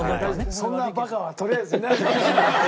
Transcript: そんなバカはとりあえずいない。